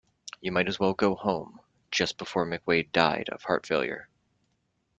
You might as well go home, just before McWade died of heart failure.